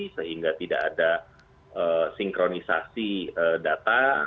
sehingga tidak ada sinkronisasi data antara pusat dan daerah